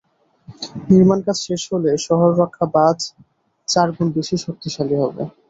নির্মাণকাজ শেষ হলে শহর রক্ষা বাঁধ চার গুণ বেশি শক্তিশালী হবে।